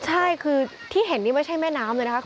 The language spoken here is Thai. ใช่คือที่เห็นนี่ไม่ใช่แม่น้ำเลยนะคะ